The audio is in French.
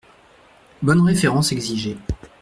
Bonnes références exigées.